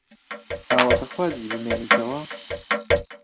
ئاواتەخوازی بمێنیتەوە؟